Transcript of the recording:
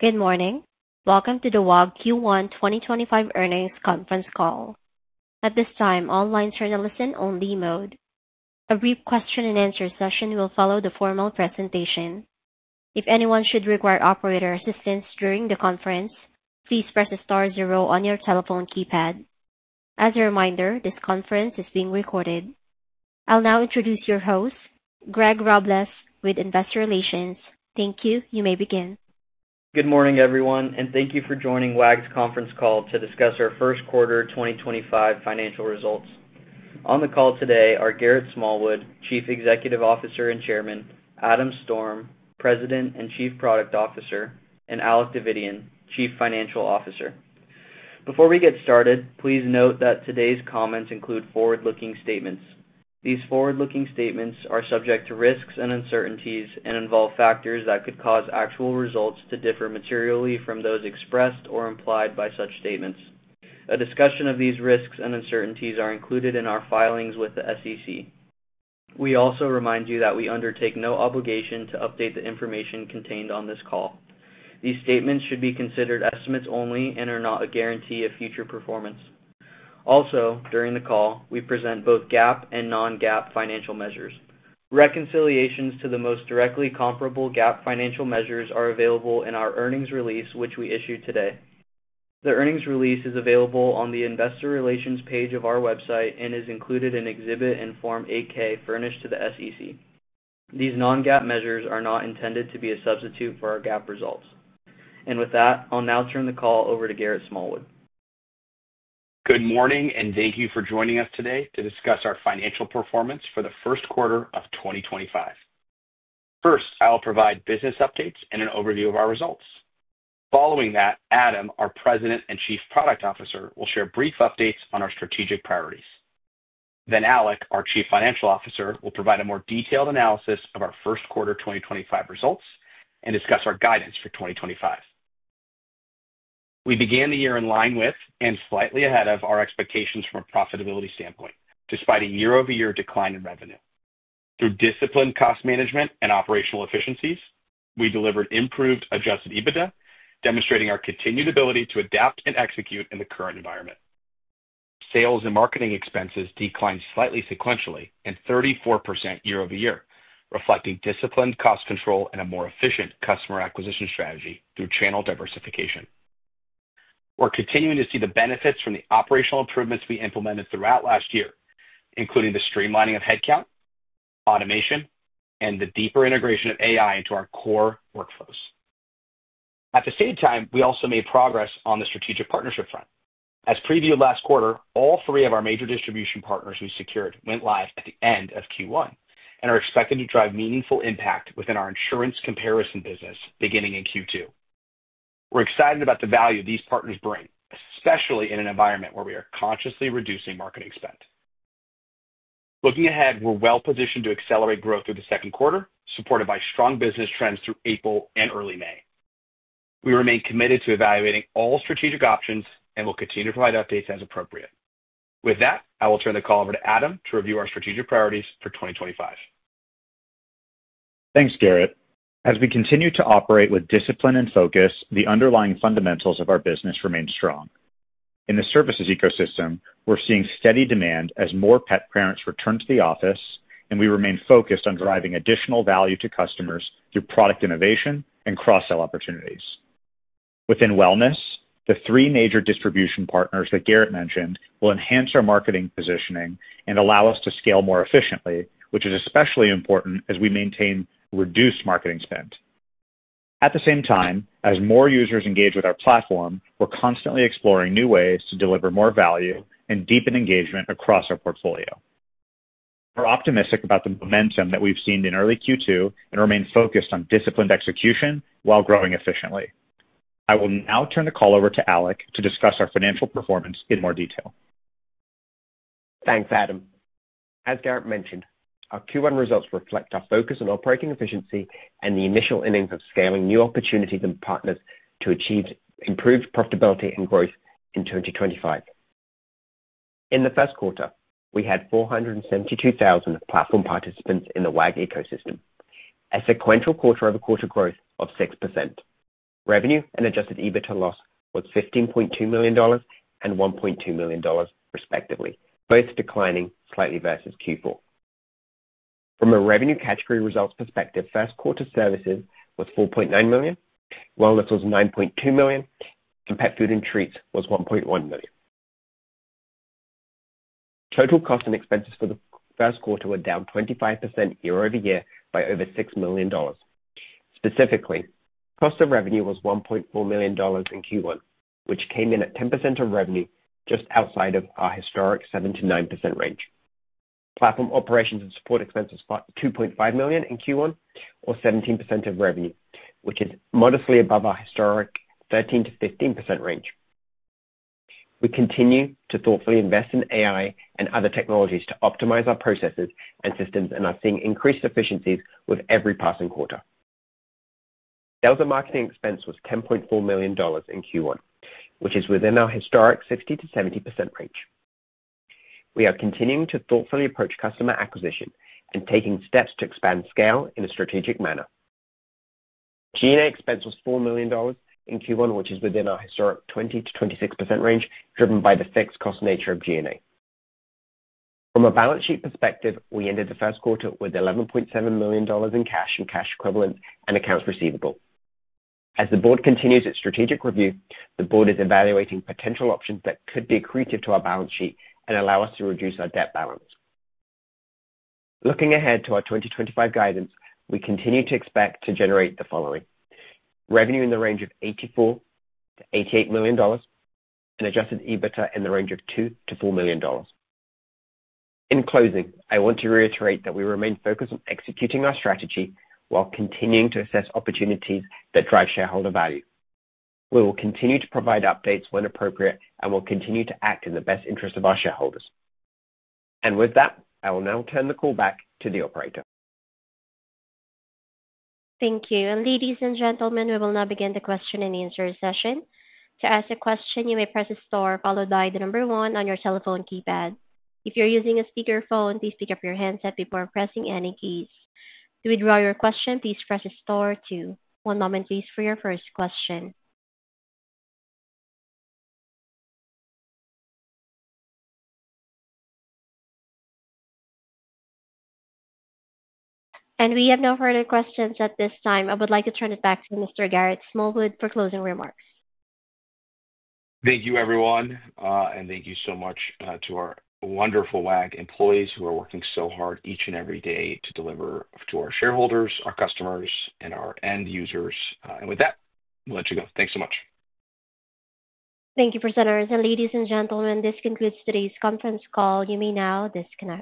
Good morning. Welcome to the Wag! Q1 2025 Earnings Conference Call. At this time, online journalists in only mode. A brief question-and-answer session will follow the formal presentation. If anyone should require operator assistance during the conference, please press the star zero on your telephone keypad. As a reminder, this conference is being recorded. I'll now introduce your host, Greg Robles with Investor Relations. Thank you. You may begin. Good morning, everyone, and thank you for joining Wag's conference call to discuss our first quarter 2025 financial results. On the call today are Garrett Smallwood, Chief Executive Officer and Chairman; Adam Storm, President and Chief Product Officer; and Alec Davidian, Chief Financial Officer. Before we get started, please note that today's comments include forward-looking statements. These forward-looking statements are subject to risks and uncertainties and involve factors that could cause actual results to differ materially from those expressed or implied by such statements. A discussion of these risks and uncertainties is included in our filings with the SEC. We also remind you that we undertake no obligation to update the information contained on this call. These statements should be considered estimates only and are not a guarantee of future performance. Also, during the call, we present both GAAP and non-GAAP financial measures. Reconciliations to the most directly comparable GAAP financial measures are available in our earnings release, which we issue today. The earnings release is available on the Investor Relations page of our website and is included in Exhibit and Form 8-K furnished to the SEC. These non-GAAP measures are not intended to be a substitute for our GAAP results. I will now turn the call over to Garrett Smallwood. Good morning, and thank you for joining us today to discuss our financial performance for the first quarter of 2025. First, I'll provide business updates and an overview of our results. Following that, Adam, our President and Chief Product Officer, will share brief updates on our strategic priorities. Then Alec, our Chief Financial Officer, will provide a more detailed analysis of our first quarter 2025 results and discuss our guidance for 2025. We began the year in line with, and slightly ahead of, our expectations from a profitability standpoint, despite a year-over-year decline in revenue. Through disciplined cost management and operational efficiencies, we delivered improved adjusted EBITDA, demonstrating our continued ability to adapt and execute in the current environment. Sales and marketing expenses declined slightly sequentially and 34% year-over-year, reflecting disciplined cost control and a more efficient customer acquisition strategy through channel diversification. We're continuing to see the benefits from the operational improvements we implemented throughout last year, including the streamlining of headcount, automation, and the deeper integration of AI into our core workflows. At the same time, we also made progress on the strategic partnership front. As previewed last quarter, all three of our major distribution partners we secured went live at the end of Q1 and are expected to drive meaningful impact within our insurance comparison business beginning in Q2. We're excited about the value these partners bring, especially in an environment where we are consciously reducing marketing spend. Looking ahead, we're well-positioned to accelerate growth through the second quarter, supported by strong business trends through April and early May. We remain committed to evaluating all strategic options and will continue to provide updates as appropriate. With that, I will turn the call over to Adam to review our strategic priorities for 2025. Thanks, Garrett. As we continue to operate with discipline and focus, the underlying fundamentals of our business remain strong. In the services ecosystem, we're seeing steady demand as more pet parents return to the office, and we remain focused on driving additional value to customers through product innovation and cross-sell opportunities. Within wellness, the three major distribution partners that Garrett mentioned will enhance our marketing positioning and allow us to scale more efficiently, which is especially important as we maintain reduced marketing spend. At the same time, as more users engage with our platform, we're constantly exploring new ways to deliver more value and deepen engagement across our portfolio. We're optimistic about the momentum that we've seen in early Q2 and remain focused on disciplined execution while growing efficiently. I will now turn the call over to Alec to discuss our financial performance in more detail. Thanks, Adam. As Garrett mentioned, our Q1 results reflect our focus on operating efficiency and the initial innings of scaling new opportunities and partners to achieve improved profitability and growth in 2025. In the first quarter, we had 472,000 platform participants in the Wag! ecosystem, a sequential quarter-over-quarter growth of 6%. Revenue and adjusted EBITDA loss was $15.2 million and $1.2 million, respectively, both declining slightly versus Q4. From a revenue category results perspective, first quarter services was $4.9 million, wellness was $9.2 million, and pet food and treats was $1.1 million. Total cost and expenses for the first quarter were down 25% year-over-year by over $6 million. Specifically, cost of revenue was $1.4 million in Q1, which came in at 10% of revenue, just outside of our historic 7%-9% range. Platform operations and support expenses sparked $2.5 million in Q1, or 17% of revenue, which is modestly above our historic 13%-15% range. We continue to thoughtfully invest in AI and other technologies to optimize our processes and systems, and are seeing increased efficiencies with every passing quarter. Sales and marketing expense was $10.4 million in Q1, which is within our historic 60%-70% range. We are continuing to thoughtfully approach customer acquisition and taking steps to expand scale in a strategic manner. G&A expense was $4 million in Q1, which is within our historic 20%-26% range, driven by the fixed cost nature of G&A. From a balance sheet perspective, we ended the first quarter with $11.7 million in cash and cash equivalent and accounts receivable. As the board continues its strategic review, the board is evaluating potential options that could be accretive to our balance sheet and allow us to reduce our debt balance. Looking ahead to our 2025 guidance, we continue to expect to generate the following: revenue in the range of $84 million-$88 million, and adjusted EBITDA in the range of $2 million-$4 million. In closing, I want to reiterate that we remain focused on executing our strategy while continuing to assess opportunities that drive shareholder value. We will continue to provide updates when appropriate and will continue to act in the best interest of our shareholders. I will now turn the call back to the operator. Thank you. Ladies and gentlemen, we will now begin the question and answer session. To ask a question, you may press the star followed by the number one on your telephone keypad. If you're using a speakerphone, please pick up your handset before pressing any keys. To withdraw your question, please press the star two. One moment, please, for your first question. We have no further questions at this time. I would like to turn it back to Mr. Garrett Smallwood for closing remarks. Thank you, everyone. Thank you so much to our wonderful Wag! employees who are working so hard each and every day to deliver to our shareholders, our customers, and our end users. With that, we'll let you go. Thanks so much. Thank you, presenters. Ladies and gentlemen, this concludes today's conference call. You may now disconnect.